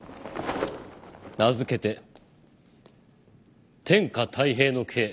名付けて天下泰平の計